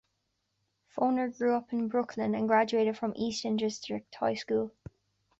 Foner grew up in Brooklyn and graduated from Eastern District High School.